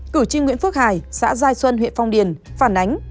cử tri nguyễn phước hải xã giai xuân huyện phong điền phản ánh